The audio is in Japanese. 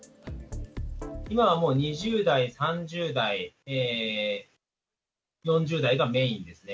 今はもう２０代、３０代、４０代がメインですね。